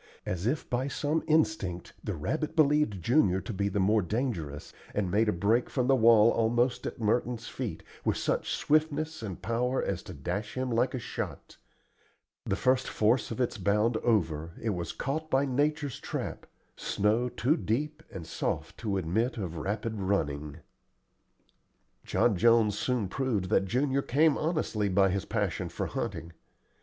As if by some instinct the rabbit believed Junior to be the more dangerous, and made a break from the wall almost at Merton's feet, with such swiftness and power as to dash by him like a shot. The first force of its bound over, it was caught by nature's trap snow too deep and soft to admit of rapid running. John Jones soon proved that Junior came honestly by his passion for hunting.